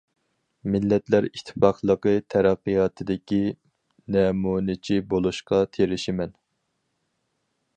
مىللەتلەر ئىتتىپاقلىقى- تەرەققىياتىدىكى نەمۇنىچى بولۇشقا تىرىشىمەن.